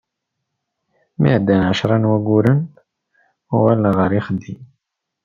Mi ɛeddan ɛecra n wayyuren, uɣaleɣ ɣer uxeddim.